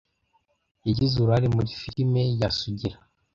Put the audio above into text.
yagize uruhare muri firime ya sugira